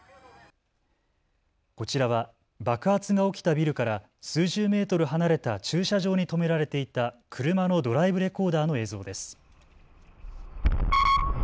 こちらは爆発が起きたビルから数十メートル離れた駐車場に止められていた車のドライブレコーダーの映像です。